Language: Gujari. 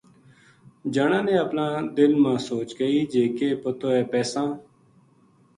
جنا نے اپنا دل ما سوچ کئی جی کے پتو ہے پیساں